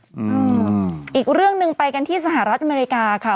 อืมอีกเรื่องหนึ่งไปกันที่สหรัฐอเมริกาค่ะ